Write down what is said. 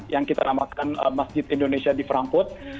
yang kita namakan masjid indonesia di frankfurt